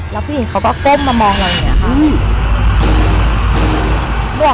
แล้วผู้หญิงเขาก็ก้มมามองเราอย่างนี้ค่ะ